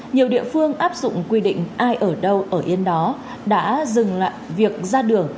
nhiều địa phương áp dụng quy định ai ở đâu ở yên đó đã dừng lại việc ra đường